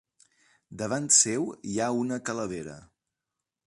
Davant seu hi ha una calavera.